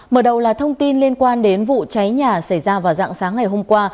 mở đầu là thông tin liên quan đến vụ cháy nhà xảy ra vào dạng sáng ngày hôm qua